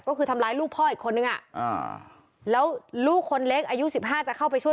ก็คือทำร้ายลูกพ่ออีกคนนึงอ่ะอ่าแล้วลูกคนเล็กอายุสิบห้าจะเข้าไปช่วย